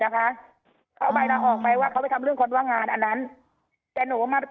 นะคะเขาเอาใบลาออกไหมว่าเขาไปทำเรื่องคนว่างงานอันนั้นแต่หนูมา